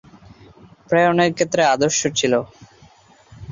প্রেরণের ক্ষেত্রে আদর্শ ছিল।